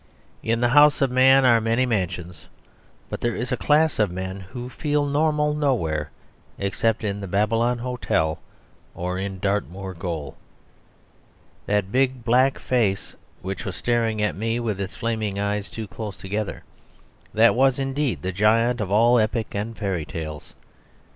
In the house of man are many mansions; but there is a class of men who feel normal nowhere except in the Babylon Hotel or in Dartmoor Gaol. That big black face, which was staring at me with its flaming eyes too close together, that was indeed the giant of all epic and fairy tales.